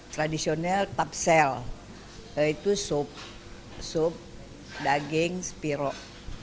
tradisional tapsel yaitu sup sup daging spirok